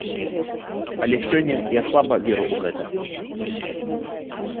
Але сёння я слаба веру ў гэта.